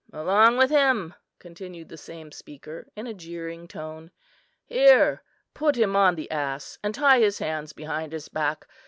"Along with him!" continued the same speaker in a jeering tone. "Here, put him on the ass and tie his hands behind his back.